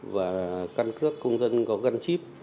và căn cước công dân có gắn chip